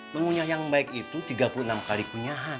mengunyah yang baik itu tiga puluh enam kali kunyahan